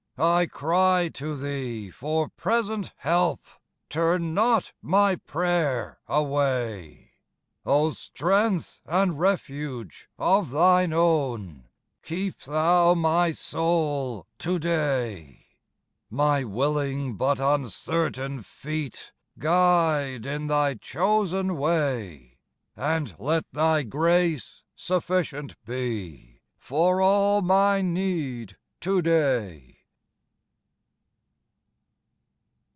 I cry to Thee for present help, Turn not my prayer away; O Strength and Refuge of Thine own, Keep Thou my soul to day. My willing but uncertain feet Guide in Thy chosen way; And let Thy grace sufficient be For all my need to day.